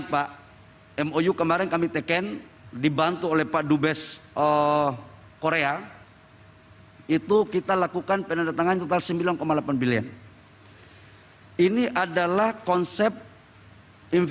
khususnya keperluan ekonomi dan teknologi